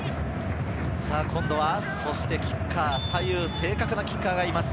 今度はキッカー、左右正確なキッカーがいます。